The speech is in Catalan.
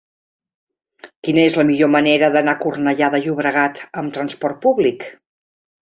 Quina és la millor manera d'anar a Cornellà de Llobregat amb trasport públic?